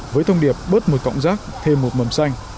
với thông điệp bớt một cọng rác thêm một mầm xanh